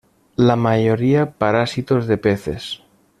La mayoría parásitos de peces.